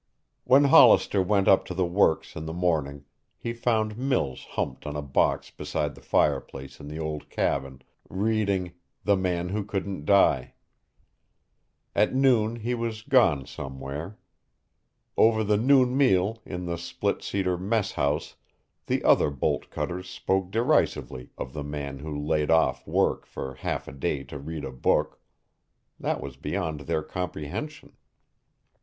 When Hollister went up to the works in the morning, he found Mills humped on a box beside the fireplace in the old cabin, reading "The Man Who Couldn't Die." At noon he was gone somewhere. Over the noon meal in the split cedar mess house, the other bolt cutters spoke derisively of the man who laid off work for half a day to read a book. That was beyond their comprehension.